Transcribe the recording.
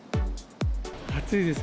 暑いです。